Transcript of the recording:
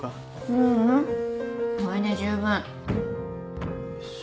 ううんこれで十分。